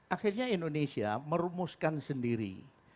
akhirnya indonesia merumuskan sendiri